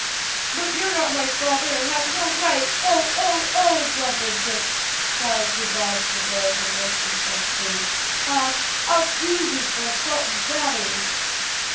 "But you're not my father, and have no right, oh, oh, oh!" blubbered Dick, trying to dodge the blows and wrench himself free, "I'll I'll sue you for assault and battery."